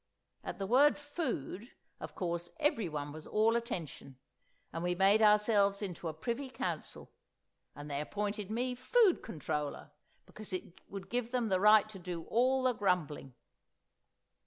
At the word "food" of course everyone was all attention, and we made ourselves into a Privy Council, and they appointed me Food Controller, because it would give them the right to do all the grumbling.